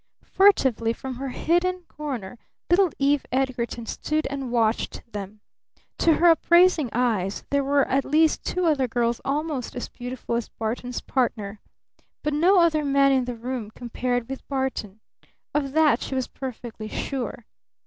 Furtively from her hidden corner little Eve Edgarton stood and watched them. To her appraising eyes there were at least two other girls almost as beautiful as Barton's partner. But no other man in the room compared with Barton. Of that she was perfectly sure!